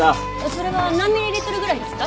それは何ミリリットルぐらいですか？